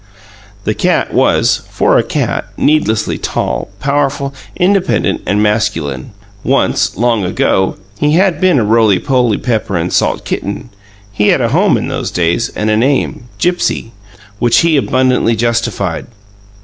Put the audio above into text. This cat was, for a cat, needlessly tall, powerful, independent and masculine. Once, long ago, he had been a roly poly pepper and salt kitten; he had a home in those days, and a name, "Gipsy," which he abundantly justified.